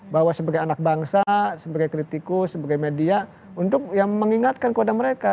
bahwa sebagai anak bangsa sebagai kritikus sebagai media untuk mengingatkan kepada mereka